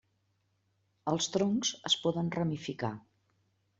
Els troncs es poden ramificar.